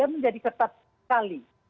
menjadi ketat sekali